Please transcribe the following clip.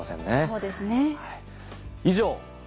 そうですね。